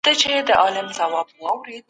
د بیان ازادي د چا د سپکاوي په مانا نه ده.